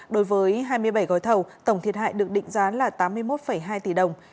đối với hai mươi bảy gói thầu tổng thiệt hại được định giá là tám mươi một hai tỷ đồng